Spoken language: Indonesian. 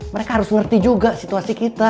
mereka harus mengerti juga situasi kita